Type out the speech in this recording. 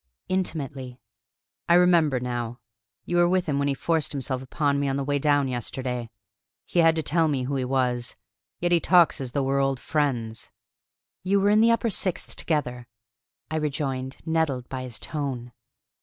"Intimately." "I remember now. You were with him when he forced himself upon me on the way down yesterday. He had to tell me who he was. Yet he talks as though we were old friends." "You were in the upper sixth together," I rejoined, nettled by his tone.